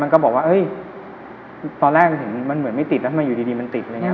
มันก็บอกว่าตอนแรกเหมือนไม่ติดแล้วทำไมเลยติด